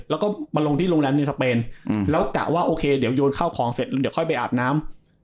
แล้วก็มาลงที่โรงแรมในสเปนแล้วกะว่าโอเคเดี๋ยวโยนข้าวของเสร็จเดี๋ยวค่อยไปอาบน้ำ